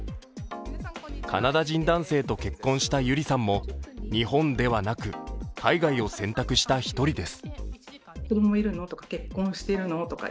カナダ人男性と結婚したゆりさんも、日本ではなく、海外を選択した一人です。